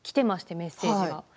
メッセージです。